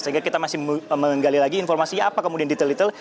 sehingga kita masih menggali lagi informasinya apa kemudian detail detail